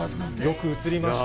よく映りました。